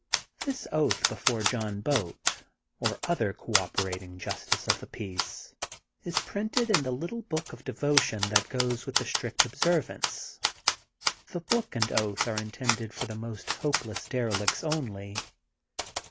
This oath before John Boat or other co operating justice of the peace is printed in the little book of devotion that goes with the Strict Observance. The book and oath are in tended for the most hopeless derelicts only.